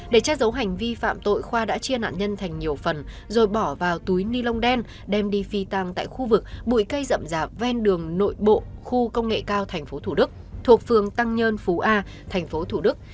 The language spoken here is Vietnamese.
để che giấu hành vi phạm tội khoa đã chia nạn nhân thành nhiều phần rồi bỏ vào túi ni lông đen đem đi phi tăng tại khu vực bụi cây rậm rạp ven đường nội bộ khu công nghệ cao tp thủ đức thuộc phường tăng nhân phú a tp thủ đức